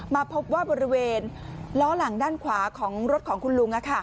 มาพบว่าบริเวณล้อหลังด้านขวาของรถของคุณลุง